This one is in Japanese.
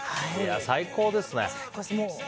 最高ですね。